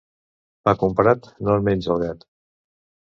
Pa comprat, no en menja el gat.